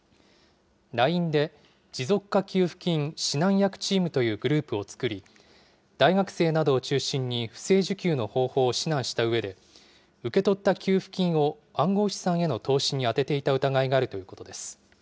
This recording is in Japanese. ＬＩＮＥで持続化給付金指南役チームというグループを作り、大学生などを中心に不正受給の方法を指南したうえで、受け取った給付金を暗号資産への投資に充てていた疑いがあるということです。